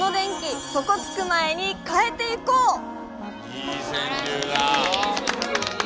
いい川柳だ。